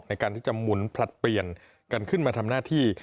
ในการที่จะหมุนผลัดเปลี่ยนกันขึ้นมาทำหน้าที่